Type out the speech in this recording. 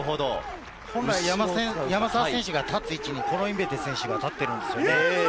本来、山沢選手が立つ位置にコロインベテ選手が立っているんです。